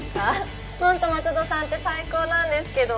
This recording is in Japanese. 本当松戸さんって最高なんですけど。